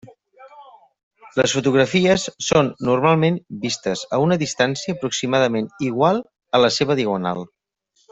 Les fotografies són normalment vistes a una distància aproximadament igual a la seva diagonal.